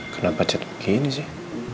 kenapa chat begini sih